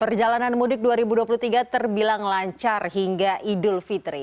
perjalanan mudik dua ribu dua puluh tiga terbilang lancar hingga idul fitri